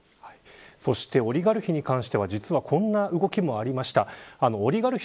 そしてオリガルヒに関しては実は、こんな動きもありました。